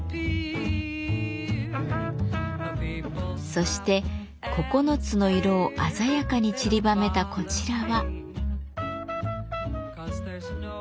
そして９つの色を鮮やかにちりばめたこちらは。